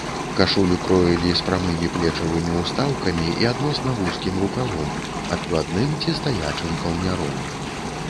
Кашулю кроілі з прамымі плечавымі ўстаўкамі і адносна вузкім рукавом, адкладным ці стаячым каўняром.